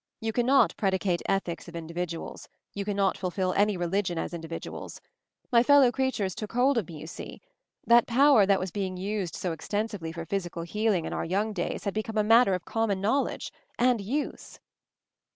You cannot predicate Ethics of individuals ; you cannot fulfill any religion as individuals. My fellow creatures took hold of me, you see. That power that was being used so extensively for physical heal ing in our young days had become a matter of common knowledge — and use."